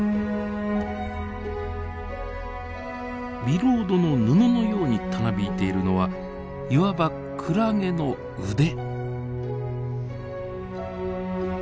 ビロードの布のようにたなびいているのはいわばクラゲの腕。